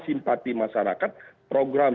simpati masyarakat program